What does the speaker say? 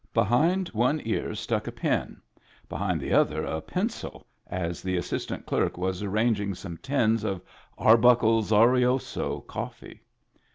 Behind one ear stuck a pen, behind the other a pencil, as the assistant clerk was arranging some tins of Arbuckle's Arioso coffee.